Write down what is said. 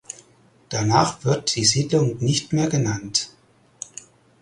Danach wird die Siedlung nicht mehr genannt.